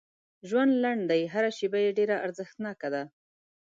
ژوند لنډ دی هر شیبه یې ډېره ارزښتناکه ده